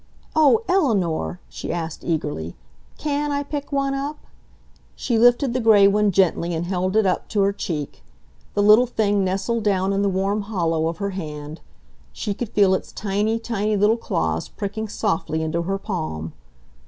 "Oh, Eleanor!" she asked eagerly. "CAN I pick one up?" She lifted the gray one gently and held it up to her cheek. The little thing nestled down in the warm hollow of her hand. She could feel its tiny, tiny little claws pricking softly into her palm.